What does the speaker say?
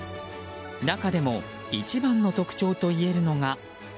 中でも一番の特徴といえるのが。